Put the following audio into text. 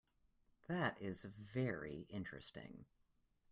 That is very interesting.